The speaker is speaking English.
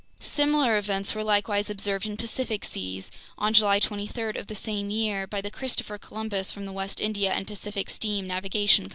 Similar events were likewise observed in Pacific seas, on July 23 of the same year, by the Christopher Columbus from the West India & Pacific Steam Navigation Co.